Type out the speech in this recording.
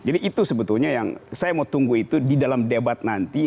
jadi itu sebetulnya yang saya mau tunggu itu di dalam debat nanti